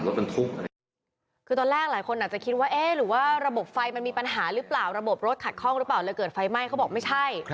คือตอนแรกหลายคนอาจจะคิดว่าเอ๊ะหรือว่าระบบไฟมันมีปัญหาหรือเปล่าระบบรถขัดข้องหรือเปล่าเลยเกิดไฟไหม้เขาบอกไม่ใช่